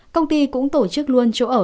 công ty cũng tổ chức luôn chỗ ở